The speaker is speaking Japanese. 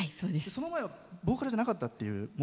その前はボーカルじゃなかったっていう。